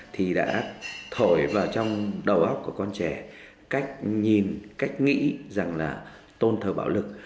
thì đã thổi vào trong đầu óc của con trẻ cách nhìn cách nghĩ rằng là tôn thờ bạo lực